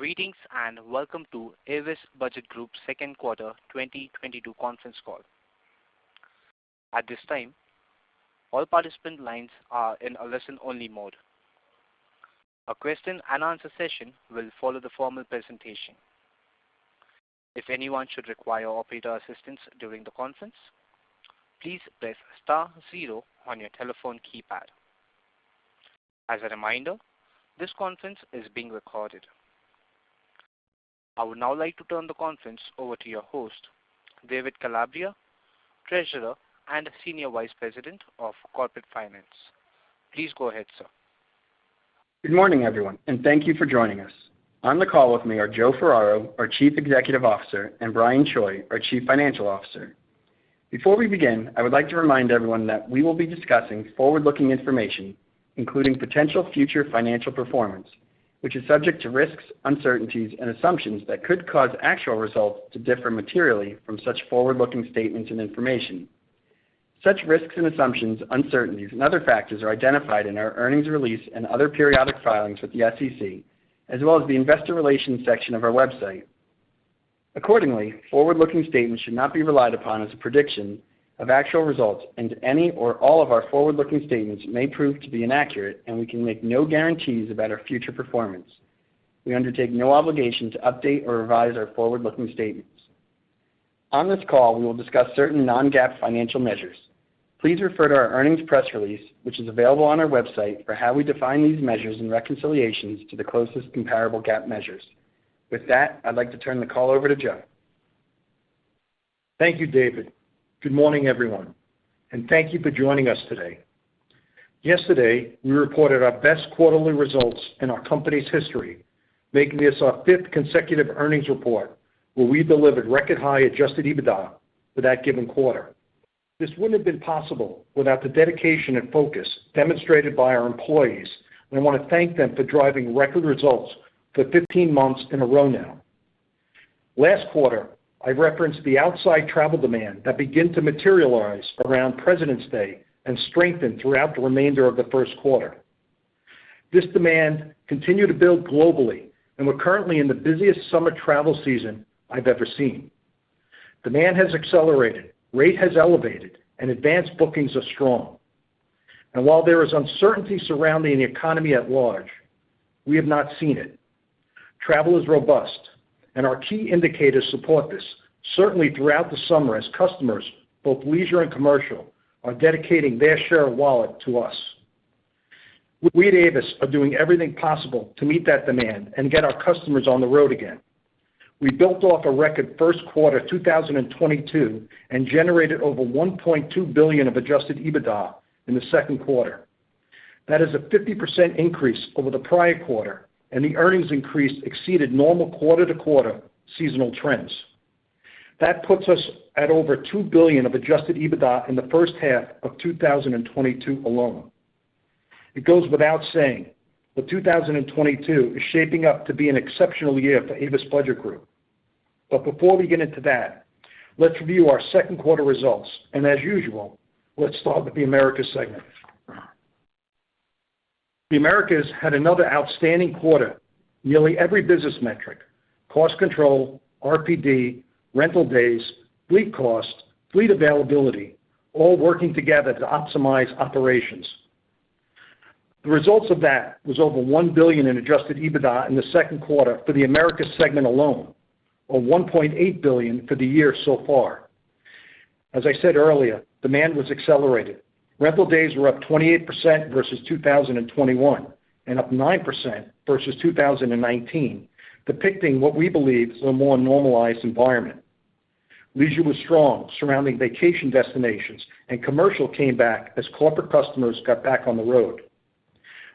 Greetings, and welcome to Avis Budget Group Q2 2022 conference call. At this time, all participant lines are in a listen only mode. A question and answer session will follow the formal presentation. If anyone should require operator assistance during the conference, please press star zero on your telephone keypad. As a reminder, this conference is being recorded. I would now like to turn the conference over to your host, David Calabria, Treasurer and Senior Vice President of Corporate Finance. Please go ahead, sir. Good morning, everyone, and thank you for joining us. On the call with me are Joe Ferraro, our Chief Executive Officer, and Brian Choi, our Chief Financial Officer. Before we begin, I would like to remind everyone that we will be discussing forward-looking information, including potential future financial performance, which is subject to risks, uncertainties and assumptions that could cause actual results to differ materially from such forward-looking statements and information. Such risks and assumptions, uncertainties and other factors are identified in our earnings release and other periodic filings with the SEC, as well as the investor relations section of our website. Accordingly, forward-looking statements should not be relied upon as a prediction of actual results, and any or all of our forward-looking statements may prove to be inaccurate, and we can make no guarantees about our future performance. We undertake no obligation to update or revise our forward-looking statements. On this call, we will discuss certain non-GAAP financial measures. Please refer to our earnings press release, which is available on our website for how we define these measures, and reconciliations to the closest comparable GAAP measures. With that, I'd like to turn the call over to Joe. Thank you, David. Good morning, everyone, and thank you for joining us today. Yesterday, we reported our best quarterly results in our company's history, making this our fifth consecutive earnings report where we delivered record high Adjusted EBITDA for that given quarter. This wouldn't have been possible without the dedication and focus demonstrated by our employees, and I want to thank them for driving record results for 15 months in a row now. Last quarter, I referenced the outside travel demand that began to materialize around President's Day and strengthen throughout the remainder of the Q1. This demand continued to build globally, and we're currently in the busiest summer travel season I've ever seen. Demand has accelerated, rate has elevated, and advanced bookings are strong. While there is uncertainty surrounding the economy at large, we have not seen it. Travel is robust and our key indicators support this certainly throughout the summer as customers, both leisure and commercial, are dedicating their share of wallet to us. We at Avis are doing everything possible to meet that demand, and get our customers on the road again. We built off a record Q1 2022 and generated over $1.2 billion of Adjusted EBITDA in the Q2. That is a 50% increase over the prior quarter, and the earnings increase exceeded normal quarter-over-quarter seasonal trends. That puts us at over $2 billion of Adjusted EBITDA in the H1 of 2022 alone. It goes without saying that 2022 is shaping up to be an exceptional year for Avis Budget Group. Before we get into that, let's review our Q2 results, and as usual, let's start with the Americas segment. The Americas had another outstanding quarter. Nearly every business metric, cost control, RPD, rental days, fleet cost, fleet availability, all working together to optimize operations. The results of that was over $1 billion in Adjusted EBITDA in the Q2 for the Americas segment alone, or $1.8 billion for the year so far. As I said earlier, demand was accelerated. Rental days were up 28% versus 2021 and up 9% versus 2019, depicting what we believe is a more normalized environment. Leisure was strong, surrounding vacation destinations and commercial came back as corporate customers got back on the road.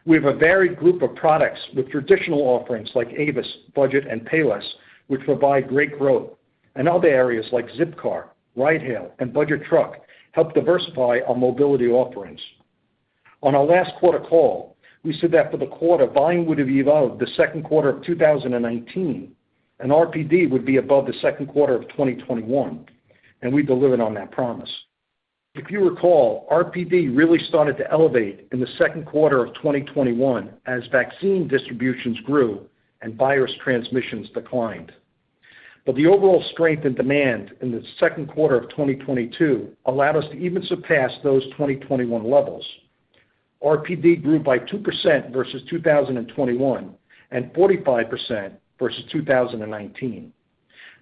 We have a varied group of products with traditional offerings like Avis, Budget and Payless, which provide great growth. Other areas like Zipcar, Ride Hail and Budget Truck help diversify our mobility offerings. On our last quarter call, we said that for the quarter volume would have evolved to the Q2 of 2019 and RPD would be above the Q2 of 2021, and we delivered on that promise. If you recall, RPD really started to elevate in the Q2 of 2021 as vaccine distributions grew and virus transmissions declined. The overall strength and demand in the Q2 of 2022 allowed us to even surpass those 2021 levels. RPD grew by 2% versus 2021 and 45% versus 2019.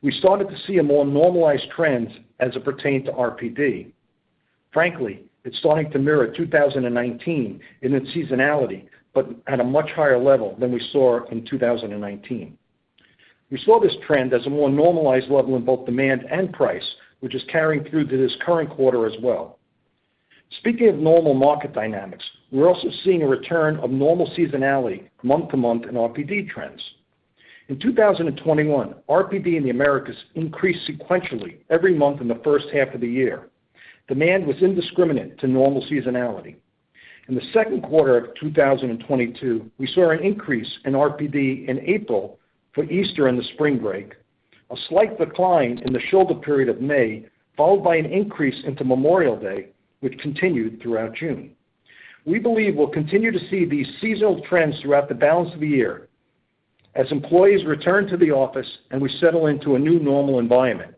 We started to see a more normalized trend as it pertained to RPD. Frankly, it's starting to mirror 2019 in its seasonality, but at a much higher level than we saw in 2019. We saw this trend as a more normalized level in both demand and price, which is carrying through to this current quarter as well. Speaking of normal market dynamics, we're also seeing a return of normal seasonality month to month in RPD trends. In 2021, RPD in the Americas increased sequentially every month in the H1 of the year. Demand was indiscriminate to normal seasonality. In the Q2 of 2022, we saw an increase in RPD in April for Easter and the spring break. A slight decline in the shoulder period of May, followed by an increase into Memorial Day, which continued throughout June. We believe we'll continue to see these seasonal trends throughout the balance of the year as employees return to the office and we settle into a new normal environment.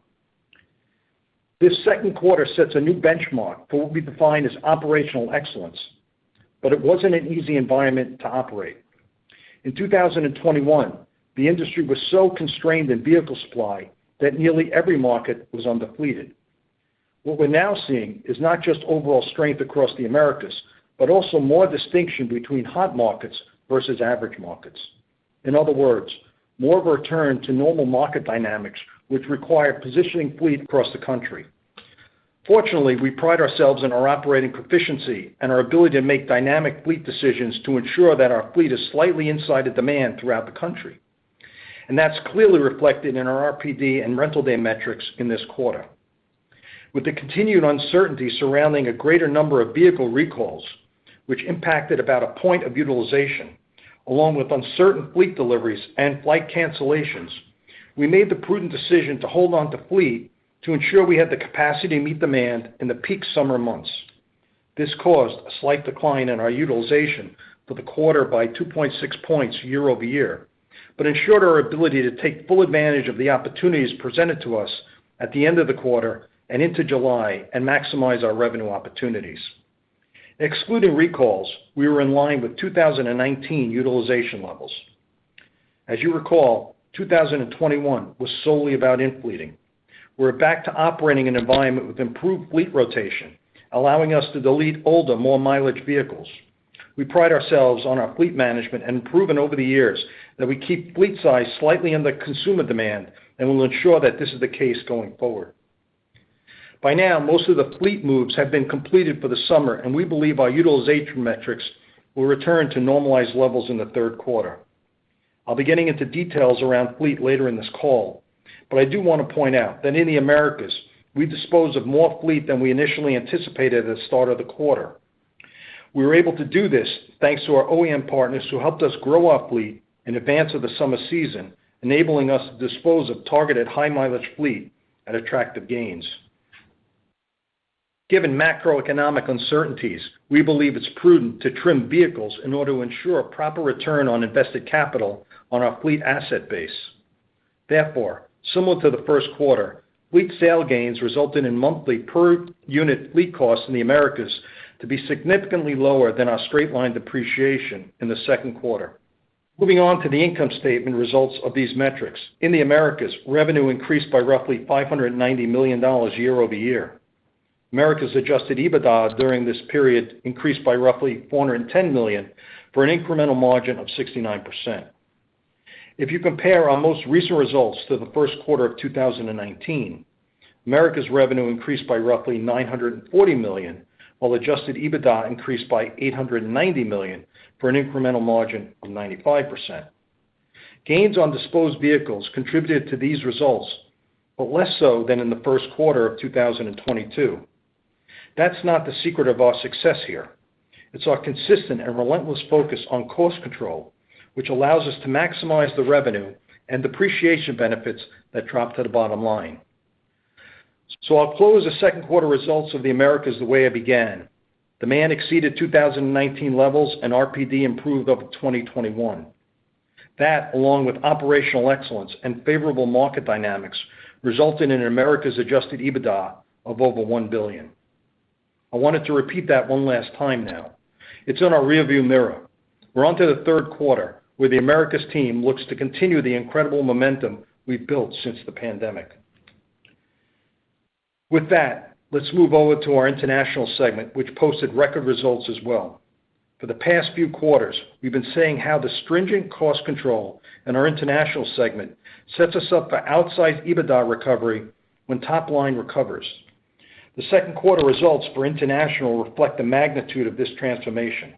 This Q2 sets a new benchmark for what we define as operational excellence, but it wasn't an easy environment to operate. In 2021, the industry was so constrained in vehicle supply that nearly every market was under-fleeted. What we're now seeing is not just overall strength across the Americas, but also more distinction between hot markets versus average markets. In other words, more of a return to normal market dynamics which require positioning fleet across the country. Fortunately, we pride ourselves on our operating proficiency and our ability to make dynamic fleet decisions to ensure that our fleet is slightly inside of demand throughout the country, and that's clearly reflected in our RPD and rental day metrics in this quarter. With the continued uncertainty surrounding a greater number of vehicle recalls, which impacted about a point of utilization, along with uncertain fleet deliveries and flight cancellations, we made the prudent decision to hold on to fleet to ensure we had the capacity to meet demand in the peak summer months. This caused a slight decline in our utilization for the quarter by 2.6 points year-over-year, but ensured our ability to take full advantage of the opportunities presented to us at the end of the quarter and into July and maximize our revenue opportunities. Excluding recalls, we were in line with 2019 utilization levels. As you recall, 2021 was solely about in-fleeting. We're back to operating in an environment with improved fleet rotation, allowing us to delete older, more mileage vehicles. We pride ourselves on our fleet management and proven over the years that we keep fleet size slightly under consumer demand and will ensure that this is the case going forward. By now, most of the fleet moves have been completed for the summer, and we believe our utilization metrics will return to normalized levels in the Q3. I'll be getting into details around fleet later in this call, but I do want to point out that in the Americas, we disposed of more fleet than we initially anticipated at the start of the quarter. We were able to do this thanks to our OEM partners who helped us grow our fleet in advance of the summer season, enabling us to dispose of targeted high-mileage fleet at attractive gains. Given macroeconomic uncertainties, we believe it's prudent to trim vehicles in order to ensure a proper return on invested capital on our fleet asset base. Therefore, similar to the Q1, fleet sale gains resulted in monthly per unit fleet costs in the Americas to be significantly lower than our straight-line depreciation in the Q2. Moving on to the income statement results of these metrics. In the Americas, revenue increased by roughly $590 million year-over-year. Americas Adjusted EBITDA during this period increased by roughly $410 million, for an incremental margin of 69%. If you compare our most recent results to the Q1 of 2019, Americas revenue increased by roughly $940 million, while Adjusted EBITDA increased by $890 million for an incremental margin of 95%. Gains on disposed vehicles contributed to these results, but less so than in the Q1 of 2022. That's not the secret of our success here. It's our consistent and relentless focus on cost control, which allows us to maximize the revenue and depreciation benefits that drop to the bottom line. I'll close the Q2 results of the Americas the way I began. Demand exceeded 2019 levels and RPD improved over 2021. That, along with operational excellence and favorable market dynamics, resulted in an Americas Adjusted EBITDA of over $1 billion. I wanted to repeat that one last time now. It's in our rearview mirror. We're on to the Q3, where the Americas team looks to continue the incredible momentum we've built since the pandemic. With that, let's move over to our international segment, which posted record results as well. For the past few quarters, we've been saying how the stringent cost control in our international segment sets us up for outsized EBITDA recovery when top line recovers. The Q2 results for international reflect the magnitude of this transformation.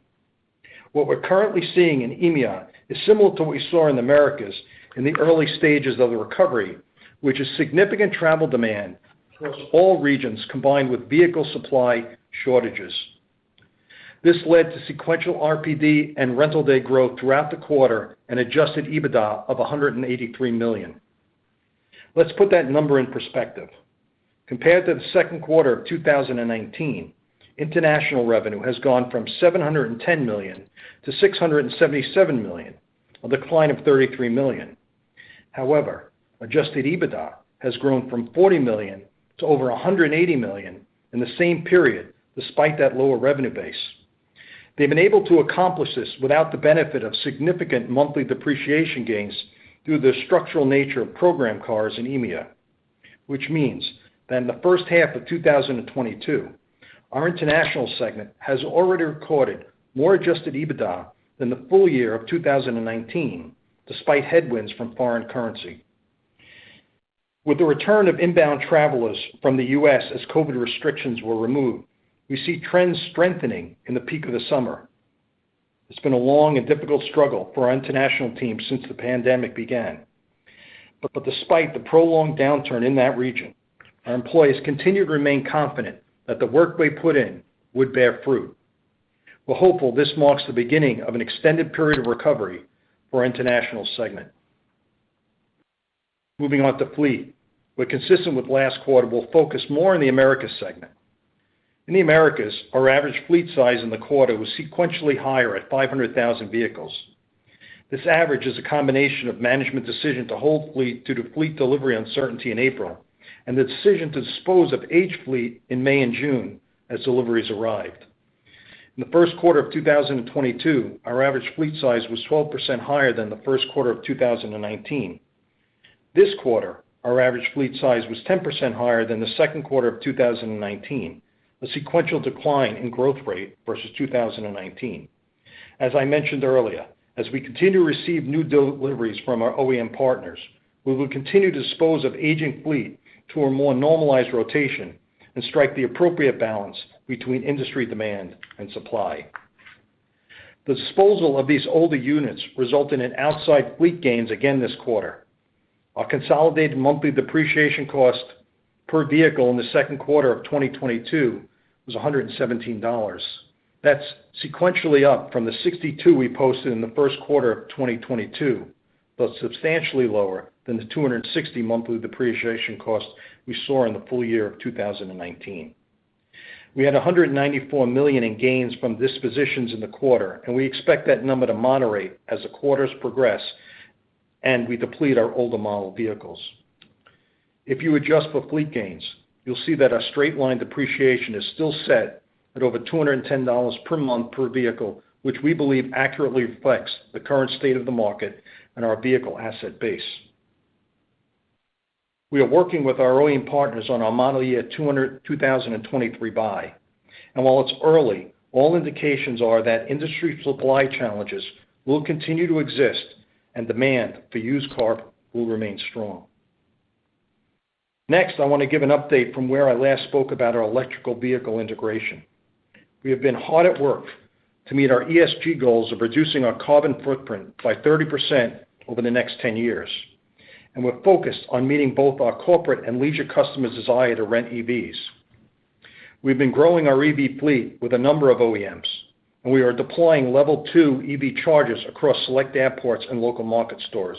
What we're currently seeing in EMEA is similar to what we saw in the Americas in the early stages of the recovery, which is significant travel demand across all regions combined with vehicle supply shortages. This led to sequential RPD and rental day growth throughout the quarter and Adjusted EBITDA of $183 million. Let's put that number in perspective. Compared to the Q2 of 2019, international revenue has gone from $710 million to $677 million, a decline of $33 million. However, Adjusted EBITDA has grown from $40 million to over $180 million in the same period, despite that lower revenue base. They've been able to accomplish this without the benefit of significant monthly depreciation gains through the structural nature of program cars in EMEA. Which means that in the H1 of 2022, our international segment has already recorded more Adjusted EBITDA than the full year of 2019, despite headwinds from foreign currency. With the return of inbound travelers from the U.S. as COVID restrictions were removed, we see trends strengthening in the peak of the summer. It's been a long and difficult struggle for our international team since the pandemic began. Despite the prolonged downturn in that region, our employees continued to remain confident that the work we put in would bear fruit. We're hopeful this marks the beginning of an extended period of recovery for our international segment. Moving on to fleet, where consistent with last quarter, we'll focus more on the Americas segment. In the Americas, our average fleet size in the quarter was sequentially higher at 500,000 vehicles. This average is a combination of management decision to hold fleet due to fleet delivery uncertainty in April, and the decision to dispose of aged fleet in May and June as deliveries arrived. In the Q1 of 2022, our average fleet size was 12% higher than the Q1 of 2019. This quarter, our average fleet size was 10% higher than the Q2 of 2019, a sequential decline in growth rate versus 2019. As I mentioned earlier, as we continue to receive new deliveries from our OEM partners, we will continue to dispose of aging fleet to a more normalized rotation and strike the appropriate balance between industry demand and supply. The disposal of these older units resulted in outside fleet gains again this quarter. Our consolidated monthly depreciation cost per vehicle in the Q2 of 2022 was $117. That's sequentially up from the $62 we posted in the Q1 of 2022, but substantially lower than the $260 monthly depreciation cost we saw in the full year of 2019. We had $194 million in gains from dispositions in the quarter, and we expect that number to moderate as the quarters progress and we deplete our older model vehicles. If you adjust for fleet gains, you'll see that our straight line depreciation is still set at over $210 per month per vehicle, which we believe accurately reflects the current state of the market, and our vehicle asset base. We are working with our OEM partners on our model year 2023 buy. While it's early, all indications are that industry supply challenges will continue to exist and demand for used car will remain strong. Next, I wanna give an update from where I last spoke about our electric vehicle integration. We have been hard at work to meet our ESG goals of reducing our carbon footprint by 30% over the next 10 years, and we're focused on meeting both our corporate and leisure customers' desire to rent EVs. We've been growing our EV fleet with a number of OEMs, and we are deploying level two EV chargers across select airports, and local market stores.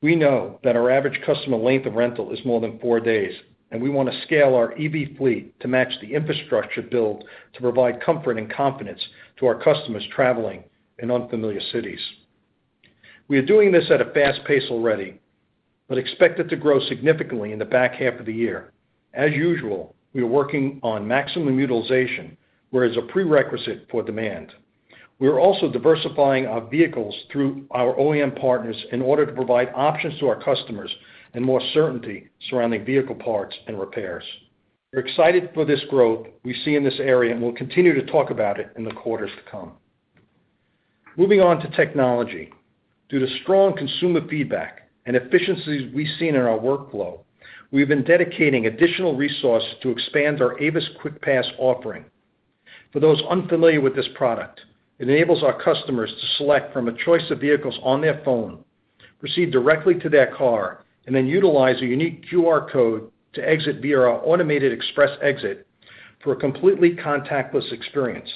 We know that our average customer length of rental is more than four days, and we wanna scale our EV fleet to match the infrastructure build to provide comfort, and confidence to our customers traveling in unfamiliar cities. We are doing this at a fast pace already, but expect it to grow significantly in the back half of the year. As usual, we are working on maximum utilization, where it's a prerequisite for demand. We are also diversifying our vehicles through our OEM partners in order to provide options to our customers and more certainty surrounding vehicle parts and repairs. We're excited for this growth we see in this area, and we'll continue to talk about it in the quarters to come. Moving on to technology. Due to strong consumer feedback and efficiencies we've seen in our workflow, we've been dedicating additional resources to expand our Avis QuickPass offering. For those unfamiliar with this product, it enables our customers to select from a choice of vehicles on their phone, proceed directly to their car, and then utilize a unique QR code to exit via our automated express exit for a completely contactless experience.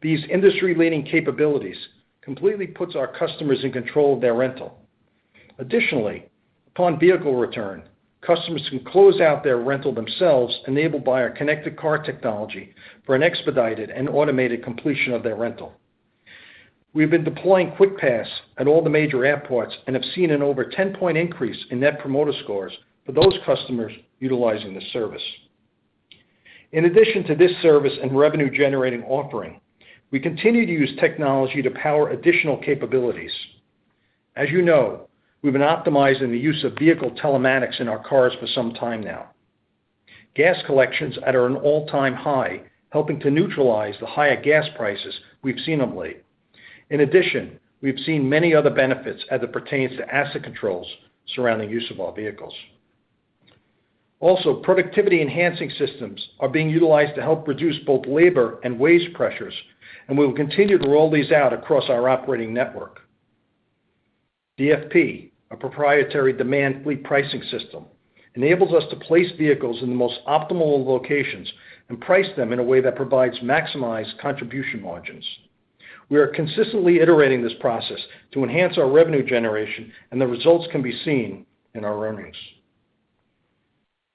These industry-leading capabilities completely puts our customers in control of their rental. Additionally, upon vehicle return, customers can close out their rental themselves enabled by our connected car technology for an expedited and automated completion of their rental. We've been deploying QuickPass at all the major airports, and have seen an over 10-point increase in Net Promoter Scores for those customers utilizing this service. In addition to this service and revenue-generating offering, we continue to use technology to power additional capabilities. As you know, we've been optimizing the use of vehicle telematics in our cars for some time now. Gas collections are at an all-time high, helping to neutralize the higher gas prices we've seen of late. In addition, we've seen many other benefits as it pertains to asset controls surrounding use of our vehicles. Also, productivity-enhancing systems are being utilized to help reduce both labor and wage pressures, and we will continue to roll these out across our operating network. DFP, our proprietary demand fleet pricing system, enables us to place vehicles in the most optimal locations, and price them in a way that provides maximized contribution margins. We are consistently iterating this process to enhance our revenue generation, and the results can be seen in our earnings.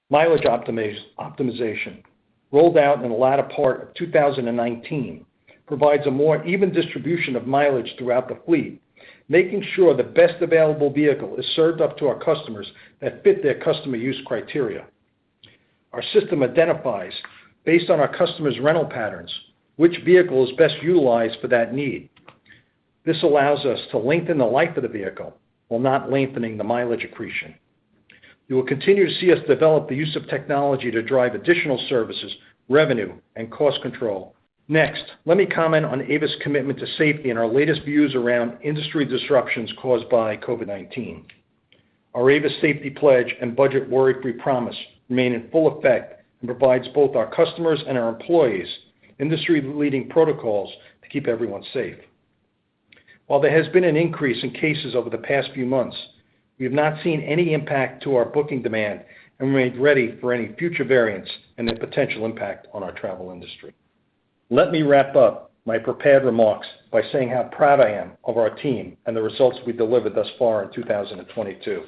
Mileage optimization, rolled out in the latter part of 2019, provides a more even distribution of mileage throughout the fleet, making sure the best available vehicle is served up to our customers that fit their customer use criteria. Our system identifies, based on our customers' rental patterns, which vehicle is best utilized for that need. This allows us to lengthen the life of the vehicle while not lengthening the mileage accretion. You will continue to see us develop the use of technology to drive additional services, revenue, and cost control. Next, let me comment on Avis commitment to safety and our latest views around industry disruptions caused by COVID-19. Our Avis Safety Pledge and Budget Worry-Free Promise remain in full effect and provides both our customers and our employees industry-leading protocols to keep everyone safe. While there has been an increase in cases over the past few months, we have not seen any impact to our booking demand and remain ready for any future variants, and their potential impact on our travel industry. Let me wrap up my prepared remarks by saying how proud I am of our team and the results we delivered thus far in 2022.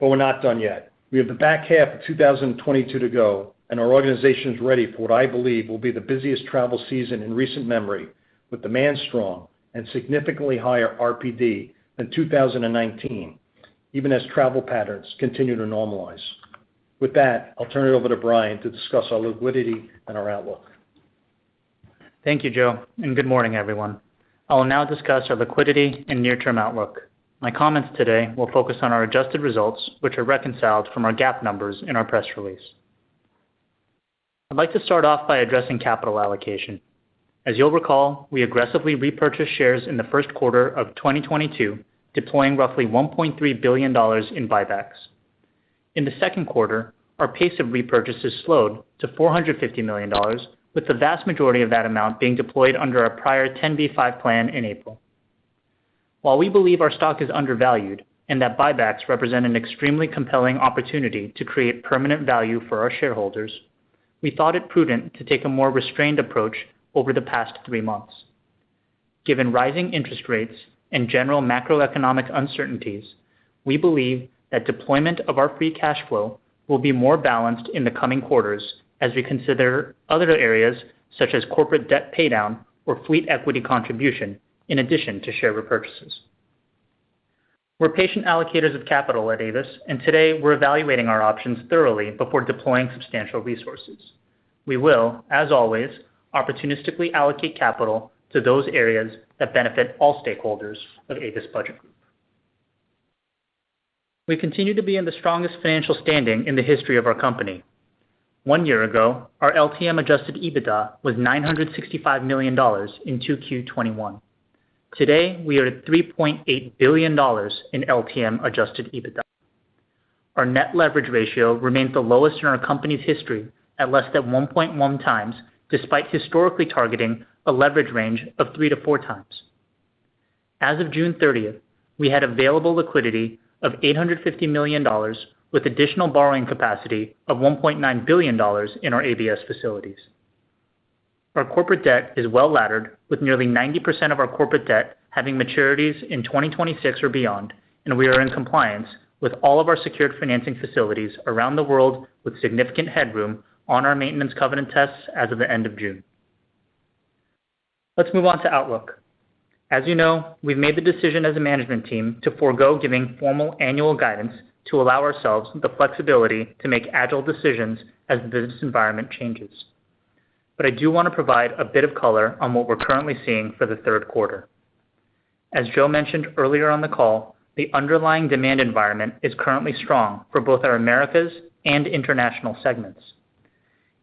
We're not done yet. We have the back half of 2022 to go, and our organization is ready for what I believe will be the busiest travel season in recent memory, with demand strong and significantly higher RPD than 2019, even as travel patterns continue to normalize. With that, I'll turn it over to Brian to discuss our liquidity and our outlook. Thank you, Joe, and good morning, everyone. I will now discuss our liquidity and near-term outlook. My comments today will focus on our adjusted results, which are reconciled from our GAAP numbers in our press release. I'd like to start off by addressing capital allocation. As you'll recall, we aggressively repurchased shares in the Q1 of 2022, deploying roughly $1.3 billion in buybacks. In the Q2, our pace of repurchases slowed to $450 million, with the vast majority of that amount being deployed under our prior 10b5-1 plan in April. While we believe our stock is undervalued and that buybacks represent an extremely compelling opportunity to create permanent value for our shareholders, we thought it prudent to take a more restrained approach over the past three months. Given rising interest rates and general macroeconomic uncertainties, we believe that deployment of our free cash flow will be more balanced in the coming quarters as we consider other areas such as corporate debt paydown or fleet equity contribution in addition to share repurchases. We're patient allocators of capital at Avis, and today we're evaluating our options thoroughly before deploying substantial resources. We will, as always, opportunistically allocate capital to those areas that benefit all stakeholders of Avis Budget Group. We continue to be in the strongest financial standing in the history of our company. One year ago, our LTM Adjusted EBITDA was $965 million in 2Q 2021. Today, we are at $3.8 billion in LTM Adjusted EBITDA. Our net leverage ratio remains the lowest in our company's history at less than 1.1x, despite historically targeting a leverage range of 3-4x. As of June 30, we had available liquidity of $850 million with additional borrowing capacity of $1.9 billion in our ABS facilities. Our corporate debt is well-laddered, with nearly 90% of our corporate debt having maturities in 2026 or beyond, and we are in compliance with all of our secured financing facilities around the world with significant headroom on our maintenance covenant tests as of the end of June. Let's move on to outlook. As you know, we've made the decision as a management team to forego giving formal annual guidance to allow ourselves the flexibility to make agile decisions as the business environment changes. I do want to provide a bit of color on what we're currently seeing for the Q3. As Joe mentioned earlier on the call, the underlying demand environment is currently strong for both our Americas and International segments.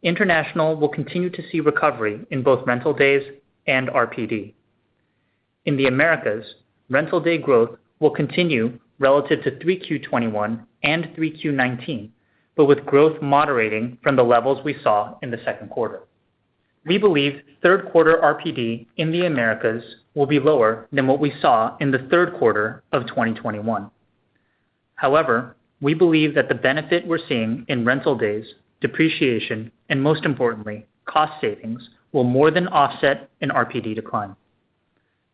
International will continue to see recovery in both rental days and RPD. In the Americas, rental day growth will continue relative to 3Q 2021 and 3Q 2019, but with growth moderating from the levels we saw in the Q2. We believe Q3 RPD in the Americas will be lower than what we saw in the Q3 of 2021. However, we believe that the benefit we're seeing in rental days, depreciation, and most importantly, cost savings will more than offset an RPD decline.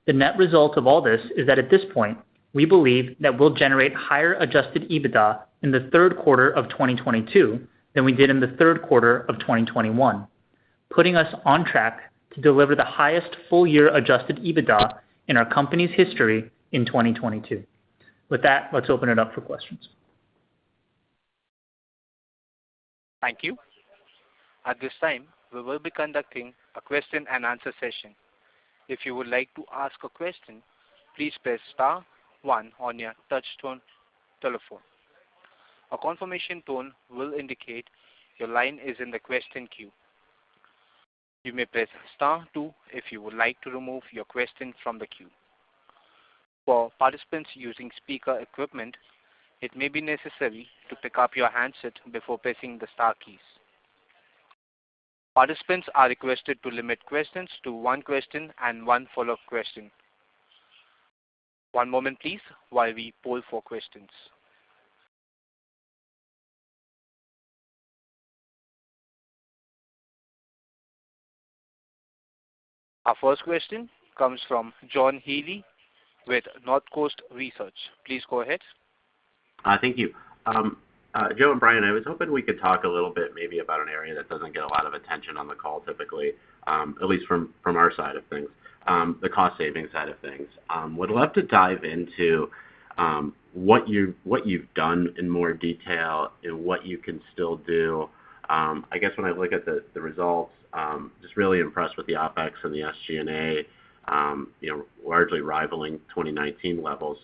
The net result of all this is that at this point, we believe that we'll generate higher Adjusted EBITDA in the Q3 of 2022 than we did in the Q3 of 2021, putting us on track to deliver the highest full-year Adjusted EBITDA in our company's history in 2022. With that, let's open it up for questions. Thank you. At this time, we will be conducting a question-and-answer session. If you would like to ask a question, please press star one on your touchtone telephone. A confirmation tone will indicate your line is in the question queue. You may press star two if you would like to remove your question from the queue. For participants using speaker equipment, it may be necessary to pick up your handset before pressing the star keys. Participants are requested to limit questions to one question, and one follow-up question. One moment, please, while we poll for questions. Our first question comes from John Healy with Northcoast Research Partners. Please go ahead. Thank you. Joe and Brian, I was hoping we could talk a little bit maybe about an area that doesn't get a lot of attention on the call typically, at least from our side of things, the cost-saving side of things. Would love to dive into what you've done in more detail and what you can still do. I guess when I look at the results, just really impressed with the OpEx and the SG&A, you know, largely rivaling 2019 levels.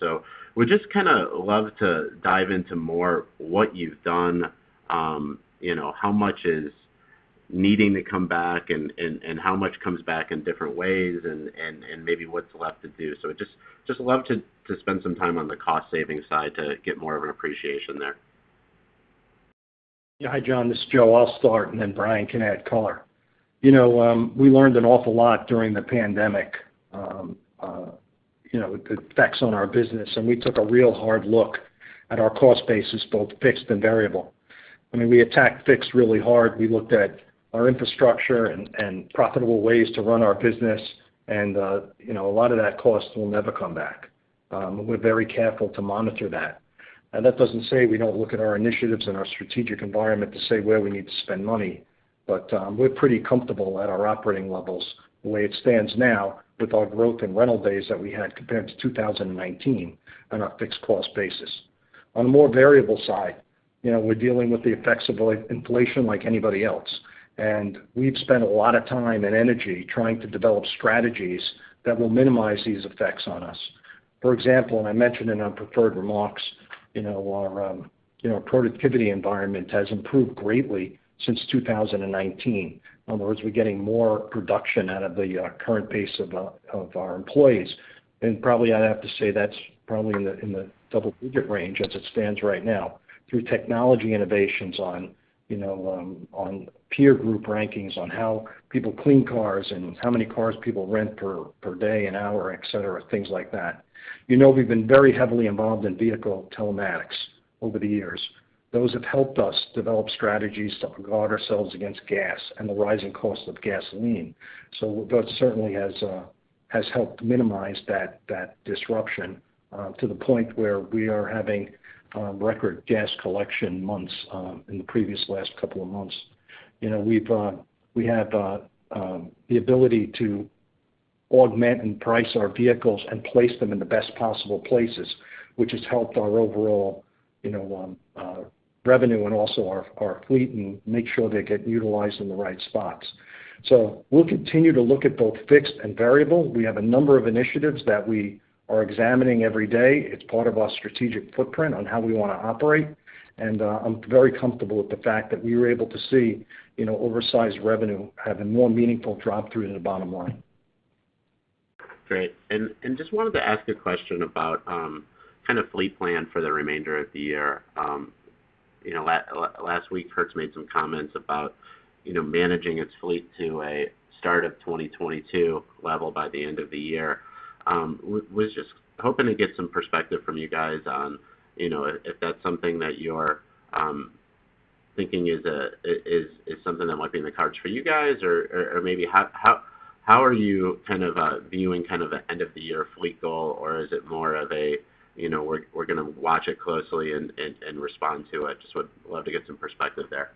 Would just kinda love to dive into more what you've done, you know, how much is needing to come back and how much comes back in different ways and maybe what's left to do. Just love to spend some time on the cost-saving side to get more of an appreciation there. Yeah. Hi, John, this is Joe. I'll start, and then Brian can add color. You know, we learned an awful lot during the pandemic, you know, the effects on our business, and we took a real hard look at our cost basis, both fixed and variable. I mean, we attacked fixed really hard. We looked at our infrastructure and profitable ways to run our business and, you know, a lot of that cost will never come back. We're very careful to monitor that. That doesn't say we don't look at our initiatives, and our strategic environment to say where we need to spend money, but, we're pretty comfortable at our operating levels the way it stands now with our growth in rental days that we had compared to 2019 on our fixed cost basis. On a more variable side, you know, we're dealing with the effects of inflation like anybody else, and we've spent a lot of time and energy trying to develop strategies that will minimize these effects on us. For example, I mentioned in our prepared remarks, you know, our productivity environment has improved greatly since 2019. In other words, we're getting more production out of the current base of our employees. Probably I'd have to say that's probably in the double-digit range as it stands right now through technology innovations on, you know, on peer group rankings on how people clean cars and how many cars people rent per day and hour, et cetera, things like that. You know, we've been very heavily involved in vehicle telematics over the years. Those have helped us develop strategies to guard ourselves against cash and the rising cost of gasoline. That certainly has helped minimize that disruption to the point where we are having record cash collection months in the previous last couple of months. You know, we have the ability to augment and price our vehicles and place them in the best possible places, which has helped our overall revenue and also our fleet and make sure they get utilized in the right spots. We'll continue to look at both fixed and variable. We have a number of initiatives that we are examining every day. It's part of our strategic footprint on how we wanna operate, and I'm very comfortable with the fact that we were able to see, you know, oversized revenue having more meaningful drop through to the bottom line. Great. Just wanted to ask a question about kind of fleet plan for the remainder of the year. You know, last week, Hertz made some comments about, you know, managing its fleet to a start of 2022 level by the end of the year. Was just hoping to get some perspective from you guys on, you know, if that's something that you're thinking is something that might be in the cards for you guys or maybe how are you kind of viewing kind of the end of the year fleet goal, or is it more of a, you know, we're gonna watch it closely and respond to it? Just would love to get some perspective there.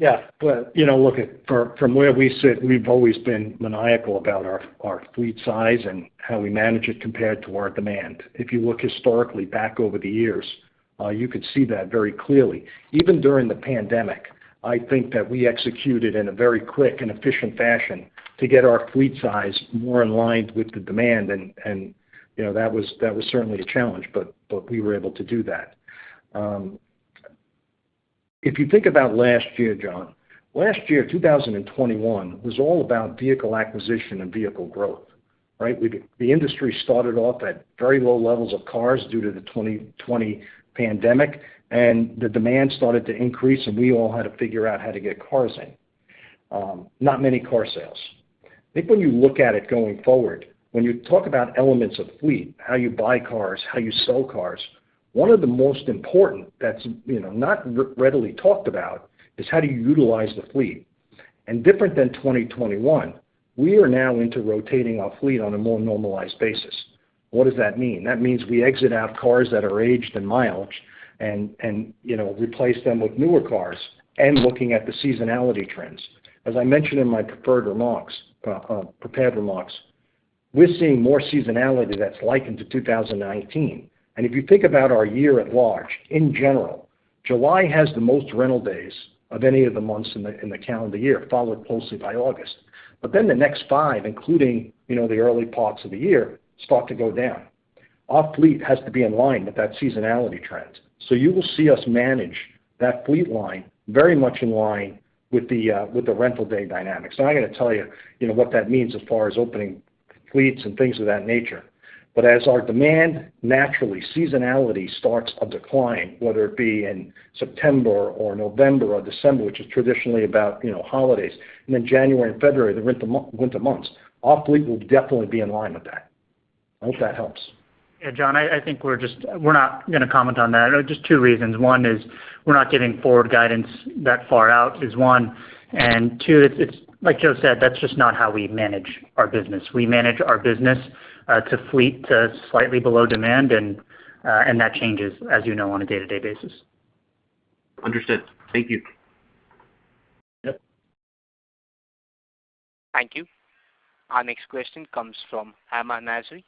You know, look at from where we sit, we've always been maniacal about our fleet size, and how we manage it compared to our demand. If you look historically back over the years, you could see that very clearly. Even during the pandemic, I think that we executed in a very quick and efficient fashion to get our fleet size more in line with the demand and, you know, that was certainly a challenge, but we were able to do that. If you think about last year, John, 2021 was all about vehicle acquisition and vehicle growth, right? The industry started off at very low levels of cars due to the 2020 pandemic, and the demand started to increase, and we all had to figure out how to get cars in. Not many car sales. I think when you look at it going forward, when you talk about elements of fleet, how you buy cars, how you sell cars, one of the most important that's, you know, not readily talked about is how do you utilize the fleet. Different than 2021, we are now into rotating our fleet on a more normalized basis. What does that mean? That means we exit out cars that are aged in mileage and, you know, replace them with newer cars, and looking at the seasonality trends. As I mentioned in my prepared remarks, we're seeing more seasonality that's likened to 2019. If you think about our year at large, in general, July has the most rental days of any of the months in the calendar year, followed closely by August. The next five, including, you know, the early parts of the year, start to go down. Our fleet has to be in line with that seasonality trend. You will see us manage that fleet line very much in line with the with the rental day dynamics. I'm not gonna tell you know, what that means as far as opening fleets and things of that nature. As our demand naturally, seasonality starts a decline, whether it be in September or November or December, which is traditionally about, you know, holidays, and then January and February, the winter months, our fleet will definitely be in line with that. I hope that helps. Yeah, John, I think we're not gonna comment on that. Just two reasons. One is we're not giving forward guidance that far out is one, and two, it's like Joe said, that's just not how we manage our business. We manage our business to fleet slightly below demand and that changes, as you know, on a day-to-day basis. Understood. Thank you. Yep. Thank you. Our next question comes from Hamzah Mazari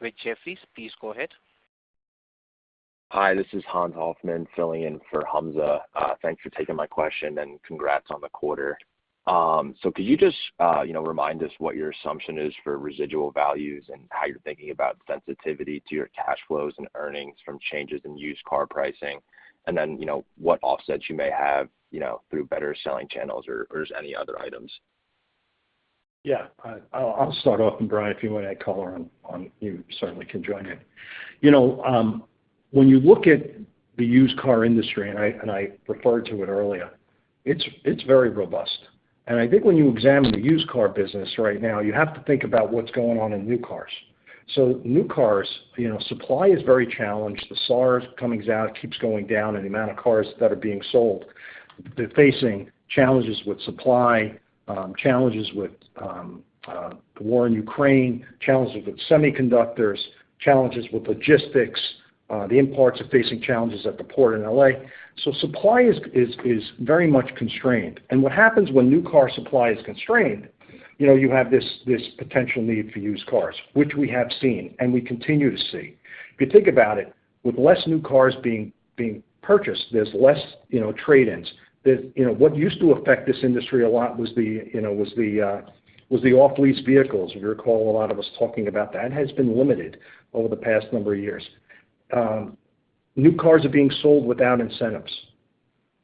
with Jefferies. Please go ahead. Hi, this is Daniel Cunha filling in for Hamzah. Thanks for taking my question, and congrats on the quarter. Could you just, you know, remind us what your assumption is for residual values and how you're thinking about sensitivity to your cash flows and earnings from changes in used car pricing? Then, you know, what offsets you may have, you know, through better selling channels or just any other items? Yeah, I'll start off and Brian, if you wanna add color on, you certainly can join in. You know, when you look at the used car industry, and I referred to it earlier, it's very robust. I think when you examine the used car business right now, you have to think about what's going on in new cars. New cars, you know, supply is very challenged. The SAAR coming out keeps going down in the amount of cars that are being sold. They're facing challenges with supply, challenges with the war in Ukraine, challenges with semiconductors, challenges with logistics, the imports are facing challenges at the port in L.A. Supply is very much constrained. What happens when new car supply is constrained, you have this potential need for used cars, which we have seen, and we continue to see. If you think about it, with less new cars being purchased, there's less trade-ins. What used to affect this industry a lot was the off-lease vehicles. If you recall, a lot of us talking about that, has been limited over the past number of years. New cars are being sold without incentives,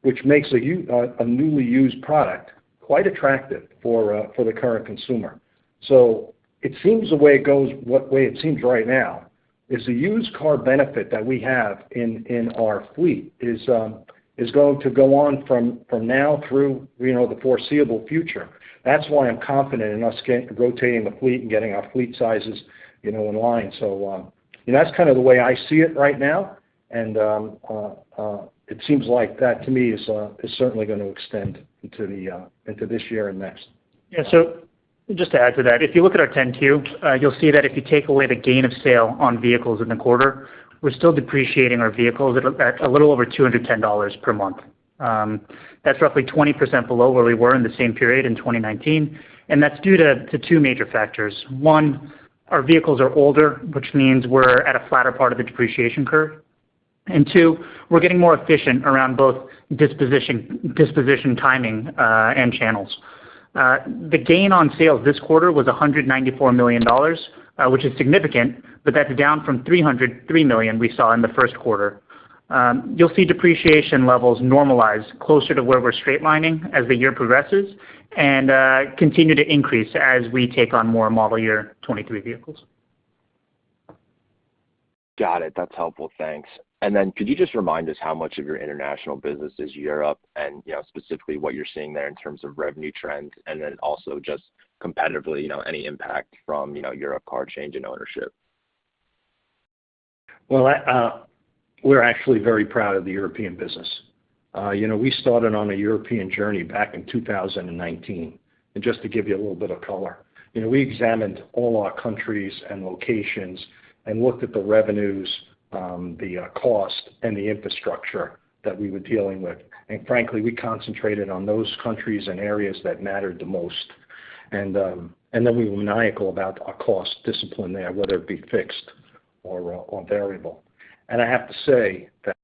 which makes a newly used product quite attractive for the current consumer. It seems the way it seems right now is the used car benefit that we have in our fleet is going to go on from now through, you know, the foreseeable future. That's why I'm confident in us rotating the fleet and getting our fleet sizes, you know, in line. That's kinda the way I see it right now, and it seems like that to me is certainly gonna extend into this year and next. Yeah. Just to add to that, if you look at our 10-Q, you'll see that if you take away the gain on sale on vehicles in the quarter, we're still depreciating our vehicles at a little over $210 per month. That's roughly 20% below where we were in the same period in 2019, and that's due to two major factors. One, our vehicles are older, which means we're at a flatter part of the depreciation curve. And two, we're getting more efficient around both disposition timing and channels. The gain on sales this quarter was $194 million, which is significant, but that's down from $303 million we saw in the Q1. You'll see depreciation levels normalize closer to where we're straight-lining as the year progresses and continue to increase as we take on more model year 2023 vehicles. Got it. That's helpful. Thanks. Could you just remind us how much of your international business is Europe and, you know, specifically what you're seeing there in terms of revenue trends, and then also just competitively, you know, any impact from, you know, Europcar change in ownership? Well, we're actually very proud of the European business. You know, we started on a European journey back in 2019. Just to give you a little bit of color, you know, we examined all our countries and locations and looked at the revenues, the cost, and the infrastructure that we were dealing with. Frankly, we concentrated on those countries and areas that mattered the most. Then we were maniacal about our cost discipline there, whether it be fixed or variable. I have to say that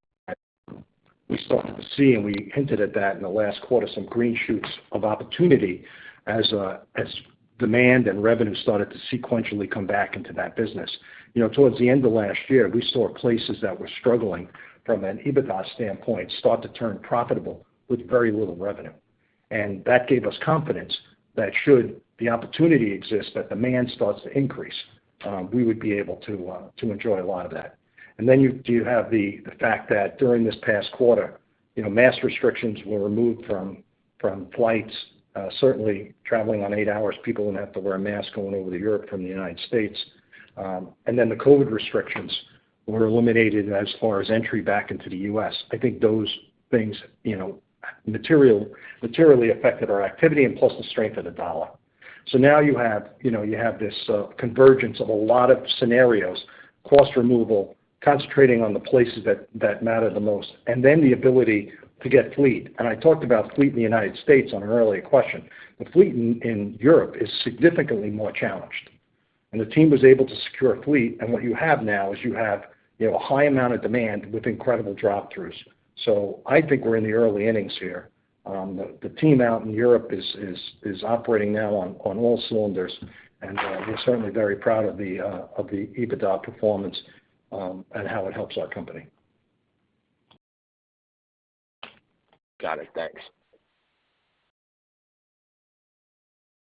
we started to see, and we hinted at that in the last quarter, some green shoots of opportunity as demand and revenue started to sequentially come back into that business. You know, towards the end of last year, we saw places that were struggling from an EBITDA standpoint start to turn profitable with very little revenue. That gave us confidence that should the opportunity exist, that demand starts to increase, we would be able to to enjoy a lot of that. You have the fact that during this past quarter, you know, mask restrictions were removed from flights, certainly traveling on eight hours, people wouldn't have to wear a mask going over to Europe from the United States. The COVID restrictions were eliminated as far as entry back into the U.S. I think those things, you know, materially affected our activity and plus the strength of the dollar. Now you have, you know, you have this convergence of a lot of scenarios, cost removal, concentrating on the places that matter the most, and then the ability to get fleet. I talked about fleet in the United States on an earlier question. The fleet in Europe is significantly more challenged, and the team was able to secure a fleet, and what you have now is you have, you know, a high amount of demand with incredible drop-throughs. I think we're in the early innings here. The team out in Europe is operating now on all cylinders, and we're certainly very proud of the EBITDA performance, and how it helps our company. Got it. Thanks.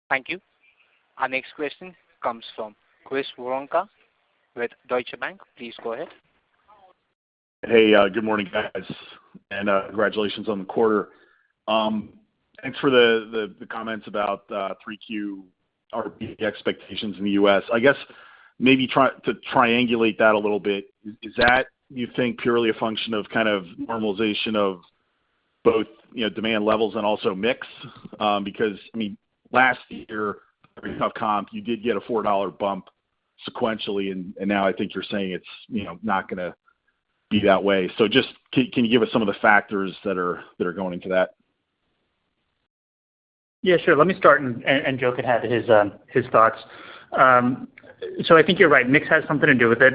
Thank you. Our next question comes from Chris Woronka with Deutsche Bank. Please go ahead. Hey, good morning, guys, and congratulations on the quarter. Thanks for the comments about 3Q RPD expectations in the U.S. I guess maybe to triangulate that a little bit, is that you think purely a function of kind of normalization of both, you know, demand levels and also mix? Because, I mean, last year, very tough comp, you did get a $4 bump sequentially, and now I think you're saying it's, you know, not gonna be that way. Just can you give us some of the factors that are going into that? Yeah, sure. Let me start and Joe could have his thoughts. I think you're right. Mix has something to do with it.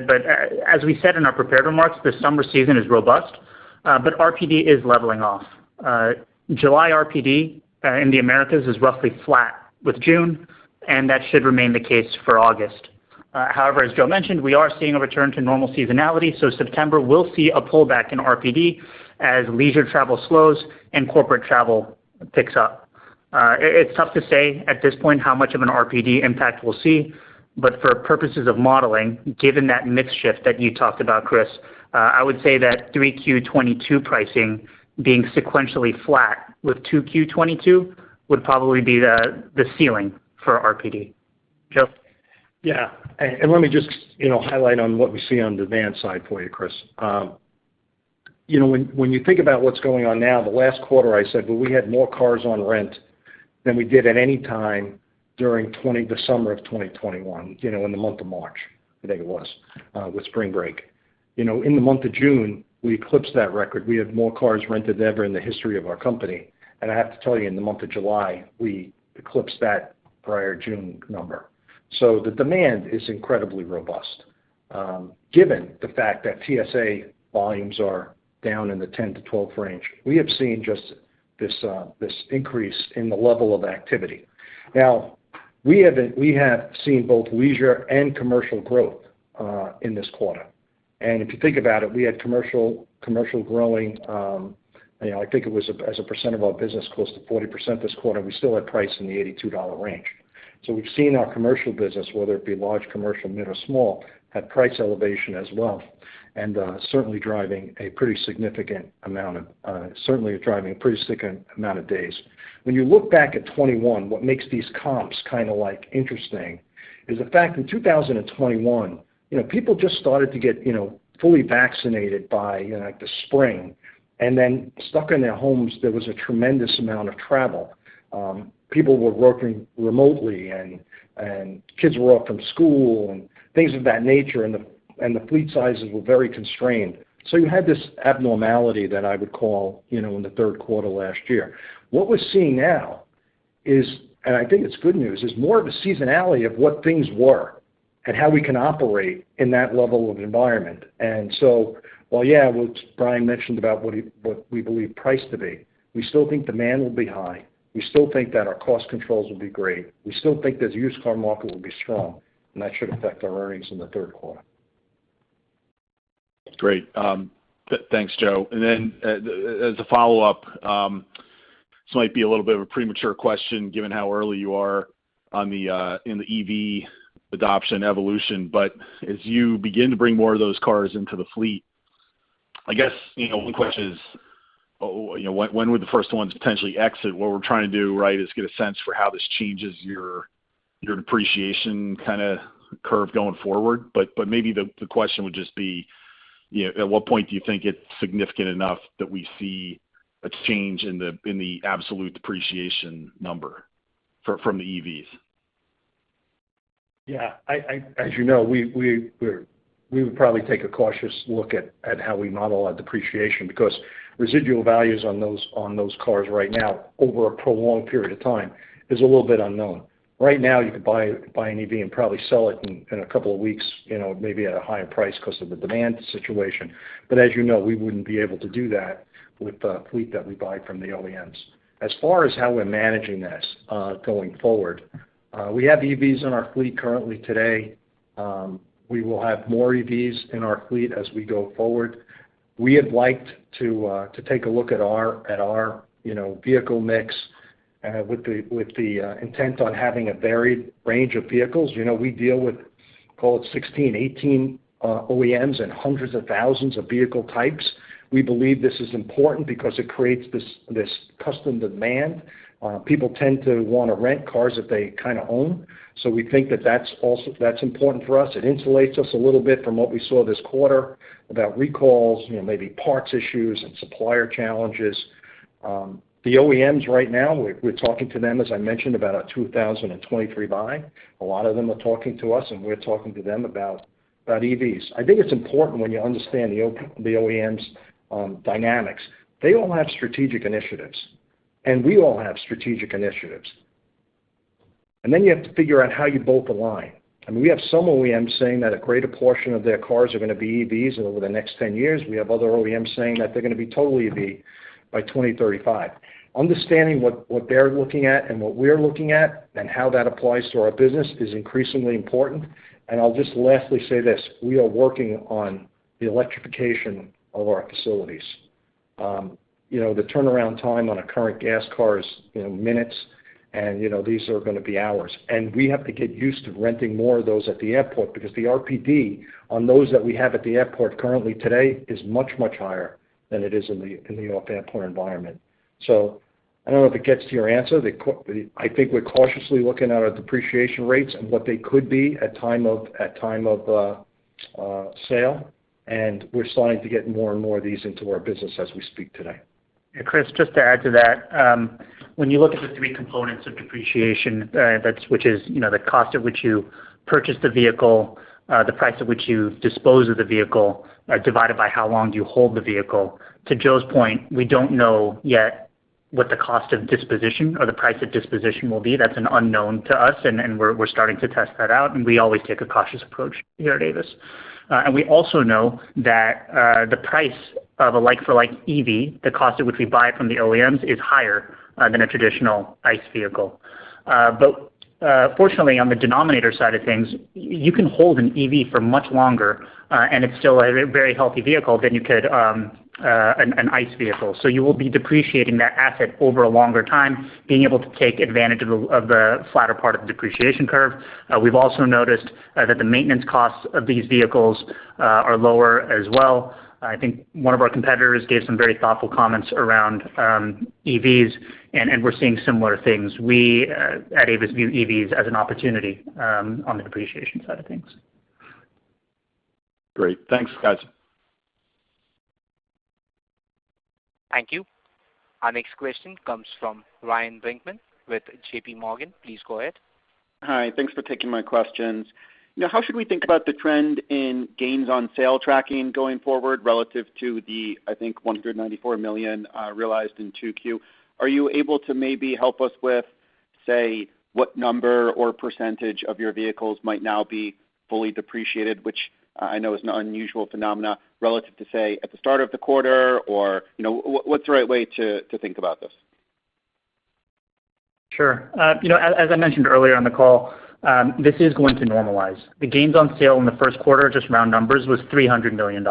As we said in our prepared remarks, the summer season is robust, but RPD is leveling off. July RPD in the Americas is roughly flat with June, and that should remain the case for August. However, as Joe mentioned, we are seeing a return to normal seasonality, so September will see a pullback in RPD as leisure travel slows, and corporate travel picks up. It's tough to say at this point how much of an RPD impact we'll see, but for purposes of modeling, given that mix shift that you talked about, Chris, I would say that 3Q 2022 pricing being sequentially flat with 2Q 2022 would probably be the ceiling for RPD. Joe? Let me just, you know, highlight on what we see on the van side for you, Chris. You know, when you think about what's going on now, the last quarter I said we had more cars on rent than we did at any time during the summer of 2021, you know, in the month of March, I think it was, with spring break. You know, in the month of June, we eclipsed that record. We had more cars rented than ever in the history of our company. I have to tell you, in the month of July, we eclipsed that prior June number. The demand is incredibly robust, given the fact that TSA volumes are down in the 10%-12% range. We have seen just this increase in the level of activity. We have seen both leisure and commercial growth in this quarter. If you think about it, we had commercial growing. I think it was as a percent of our business close to 40% this quarter. We still had price in the $82 range. We've seen our commercial business, whether it be large commercial, mid, or small, have price elevation as well, and certainly driving a pretty significant amount of days. When you look back at 2021, what makes these comps kind of interesting is the fact in 2021, people just started to get fully vaccinated by the spring, and then stuck in their homes, there was a tremendous amount of travel. People were working remotely and kids were off from school and things of that nature, and the fleet sizes were very constrained. You had this abnormality that I would call, you know, in the Q3 last year. What we're seeing now is, and I think it's good news, is more of a seasonality of what things were and how we can operate in that level of environment. While, yeah, what Brian mentioned about what we believe pricing to be, we still think demand will be high. We still think that our cost controls will be great. We still think that the used car market will be strong, and that should affect our earnings in the Q3. Thanks, Joe. As a follow-up, this might be a little bit of a premature question given how early you are in the EV adoption evolution, but as you begin to bring more of those cars into the fleet, I guess, you know, one question is, you know, when would the first ones potentially exit? What we're trying to do, right, is get a sense for how this changes your depreciation kinda curve going forward. Maybe the question would just be, you know, at what point do you think it's significant enough that we see a change in the absolute depreciation number from the EVs? Yeah. As you know, we would probably take a cautious look at how we model out depreciation because residual values on those cars right now over a prolonged period of time is a little bit unknown. Right now, you could buy an EV and probably sell it in a couple of weeks, you know, maybe at a higher price because of the demand situation. As you know, we wouldn't be able to do that with the fleet that we buy from the OEMs. As far as how we're managing this, going forward, we have EVs in our fleet currently today. We will have more EVs in our fleet as we go forward. We have liked to take a look at our, you know, vehicle mix with the intent on having a varied range of vehicles. You know, we deal with call it 16, 18 OEMs and hundreds of thousands of vehicle types. We believe this is important because it creates this custom demand. People tend to wanna rent cars that they kinda own. So we think that that's also important for us. It insulates us a little bit from what we saw this quarter about recalls, you know, maybe parts issues and supplier challenges. The OEMs right now, we're talking to them, as I mentioned, about our 2023 buy. A lot of them are talking to us, and we're talking to them about EVs. I think it's important when you understand the OEMs' dynamics. They all have strategic initiatives, and we all have strategic initiatives. You have to figure out how you both align. I mean, we have some OEMs saying that a greater portion of their cars are gonna be EVs over the next 10 years. We have other OEMs saying that they're gonna be totally EV by 2035. Understanding what they're looking at and what we're looking at and how that applies to our business is increasingly important. I'll just lastly say this, we are working on the electrification of our facilities. You know, the turnaround time on a current gas car is, you know, minutes and, you know, these are gonna be hours. We have to get used to renting more of those at the airport because the RPD on those that we have at the airport currently today is much, much higher than it is in the off-airport environment. I don't know if it gets to your answer. I think we're cautiously looking at our depreciation rates, and what they could be at time of sale, and we're starting to get more and more of these into our business as we speak today. Chris, just to add to that, when you look at the three components of depreciation, that's which is, you know, the cost at which you purchase the vehicle, the price at which you dispose of the vehicle, divided by how long do you hold the vehicle. To Joe's point, we don't know yet what the cost of disposition or the price of disposition will be. That's an unknown to us, and we're starting to test that out, and we always take a cautious approach here at Avis. We also know that the price of a like-for-like EV, the cost at which we buy it from the OEMs, is higher than a traditional ICE vehicle. Fortunately, on the denominator side of things, you can hold an EV for much longer, and it's still a very healthy vehicle than you could an ICE vehicle. You will be depreciating that asset over a longer time, being able to take advantage of the flatter part of the depreciation curve. We've also noticed that the maintenance costs of these vehicles are lower as well. I think one of our competitors gave some very thoughtful comments around EVs, and we're seeing similar things. We at Avis view EVs as an opportunity on the depreciation side of things. Great. Thanks, guys. Thank you. Our next question comes from Ryan Brinkman with JPMorgan. Please go ahead. Hi. Thanks for taking my questions. Now, how should we think about the trend in gains on sale tracking going forward relative to the, I think, $194 million realized in 2Q? Are you able to maybe help us with, say, what number or percentage of your vehicles might now be fully depreciated, which, I know is an unusual phenomenon relative to, say, at the start of the quarter? What's the right way to think about this? Sure. You know, as I mentioned earlier on the call, this is going to normalize. The gains on sale in the Q1, just round numbers, was $300 million.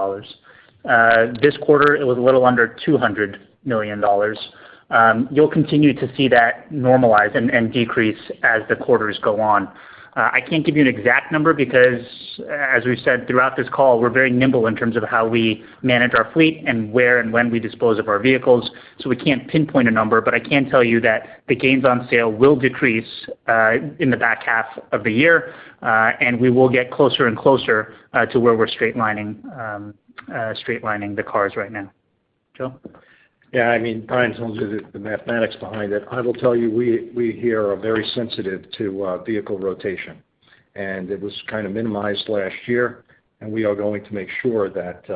This quarter, it was a little under $200 million. You'll continue to see that normalize and decrease as the quarters go on. I can't give you an exact number because as we've said throughout this call, we're very nimble in terms of how we manage our fleet and where and when we dispose of our vehicles, so we can't pinpoint a number. I can tell you that the gains on sale will decrease in the back half of the year and we will get closer, and closer to where we're straight lining the cars right now. Joe? Yeah, I mean, Ryan's holding to the mathematics behind it. I will tell you, we here are very sensitive to vehicle rotation, and it was kind of minimized last year, and we are going to make sure that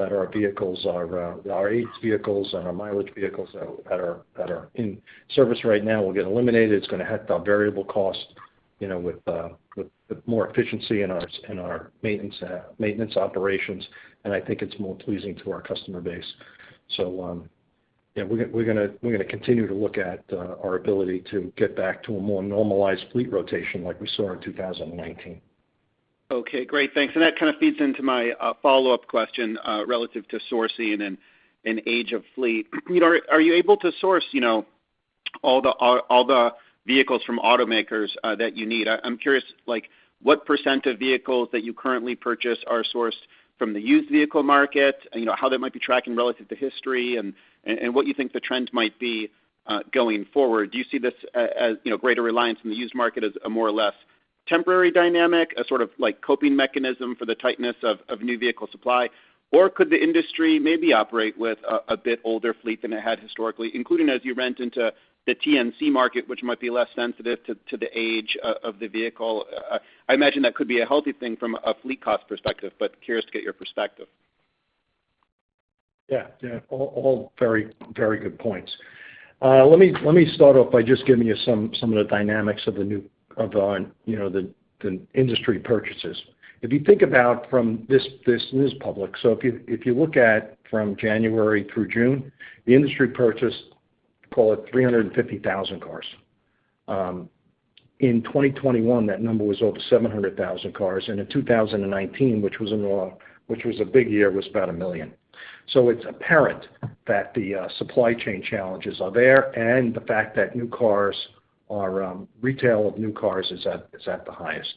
our vehicles are our age vehicles and our mileage vehicles that are in service right now will get eliminated. It's gonna hit our variable cost, you know, with more efficiency in our maintenance operations, and I think it's more pleasing to our customer base. Yeah, we're gonna continue to look at our ability to get back to a more normalized fleet rotation like we saw in 2019. Okay, great. Thanks. That kind of feeds into my follow-up question relative to sourcing, and age of fleet. You know, are you able to source all the vehicles from automakers that you need? I'm curious, like, what percent of vehicles that you currently purchase are sourced from the used vehicle market, you know, how that might be tracking relative to history and what you think the trends might be going forward. Do you see this as, you know, greater reliance on the used market as a more or less temporary dynamic, a sort of like coping mechanism for the tightness of new vehicle supply? Could the industry maybe operate with a bit older fleet than it had historically, including as you rent into the TNC market, which might be less sensitive to the age of the vehicle? I imagine that could be a healthy thing from a fleet cost perspective, but curious to get your perspective. Yeah. Yeah. All very good points. Let me start off by just giving you some of the dynamics of, you know, the industry purchases. If you think about from this is public. If you look at from January through June, the industry purchased, call it 350,000 cars. In 2021, that number was over 700,000 cars, and in 2019, which was a big year, was about 1 million. It's apparent that the supply chain challenges are there and the fact that new cars are retail of new cars is at the highest.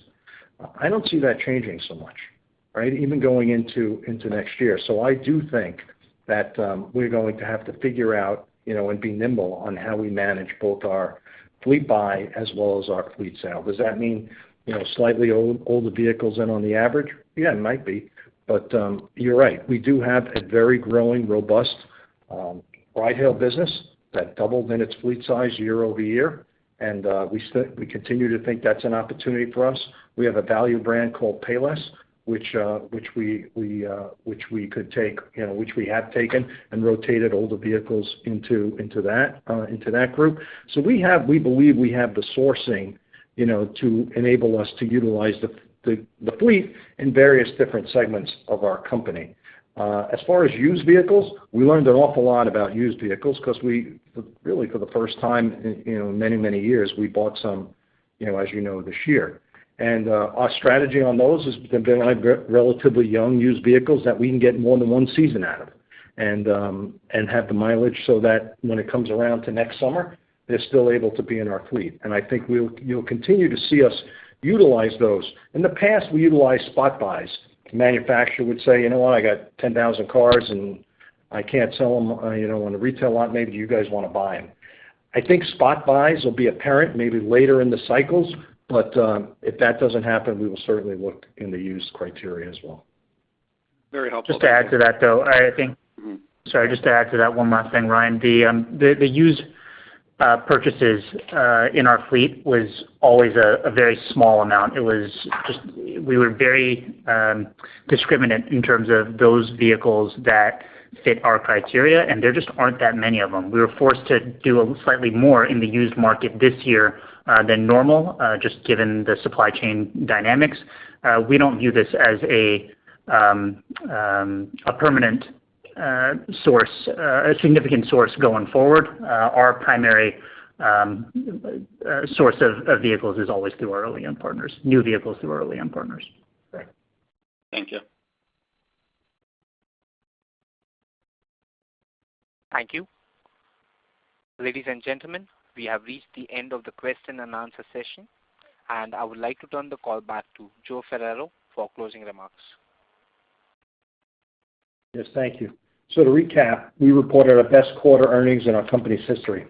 I don't see that changing so much, right? Even going into next year. I do think that we're going to have to figure out, you know, and be nimble on how we manage both our fleet buy as well as our fleet sale. Does that mean, you know, slightly old, older vehicles than on the average? Yeah, it might be. You're right. We do have a very growing, robust Ride Hail business that doubled in its fleet size year-over-year, and we continue to think that's an opportunity for us. We have a value brand called Payless, which we could take, you know, which we have taken and rotated older vehicles into that group. We have we believe we have the sourcing, you know, to enable us to utilize the fleet in various different segments of our company. As far as used vehicles, we learned an awful lot about used vehicles because we really, for the first time in, you know, in many, many years, we bought some, you know, as you know, this year. Our strategy on those has been relatively young used vehicles that we can get more than one season out of, and have the mileage so that when it comes around to next summer, they're still able to be in our fleet. I think you'll continue to see us utilize those. In the past, we utilized spot buys. The manufacturer would say, "You know what? I got 10,000 cars, and I can't sell them, you know, on the retail lot. Maybe you guys wanna buy them." I think spot buys will be apparent maybe later in the cycles, but if that doesn't happen, we will certainly look in the used car area as well. Very helpful. Just to add to that, though, I think. Mm-hmm. Sorry, just to add to that one last thing, Ryan. The used purchases in our fleet was always a very small amount. We were very discriminating in terms of those vehicles that fit our criteria, and there just aren't that many of them. We were forced to do slightly more in the used market this year than normal, just given the supply chain dynamics. We don't view this as a permanent source, a significant source going forward. Our primary source of vehicles is always through our OEM partners, new vehicles through our OEM partners. Great. Thank you. Thank you. Ladies and gentlemen, we have reached the end of the question and answer session, and I would like to turn the call back to Joe Ferraro for closing remarks. Yes, thank you. To recap, we reported our best quarter earnings in our company's history.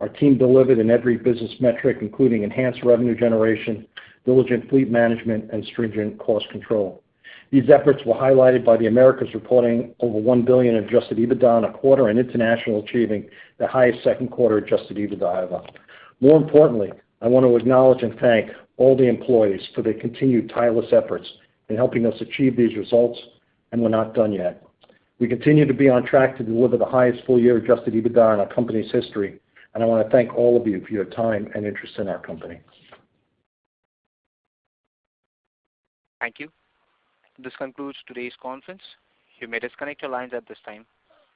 Our team delivered in every business metric, including enhanced revenue generation, diligent fleet management, and stringent cost control. These efforts were highlighted by the Americas reporting over $1 billion Adjusted EBITDA in the quarter, and international achieving the highest Q2 Adjusted EBITDA ever. More importantly, I want to acknowledge, and thank all the employees for their continued tireless efforts in helping us achieve these results, and we're not done yet. We continue to be on track to deliver the highest full year Adjusted EBITDA in our company's history, and I wanna thank all of you for your time and interest in our company. Thank you. This concludes today's conference. You may disconnect your lines at this time.